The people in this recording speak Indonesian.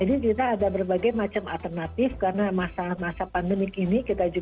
jadi kita ada berbagai macam alternatif karena masa masa pandemi ini kita juga ingin target daripada vaksinasi tetap dilaksanakan